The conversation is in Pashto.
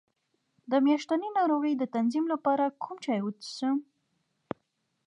د میاشتنۍ ناروغۍ د تنظیم لپاره کوم چای وڅښم؟